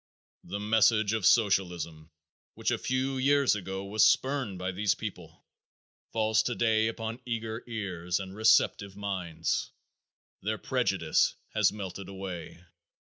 The message of Socialism, which a few years ago was spurned by these people, falls today upon eager ears and receptive minds. Their prejudice has melted away.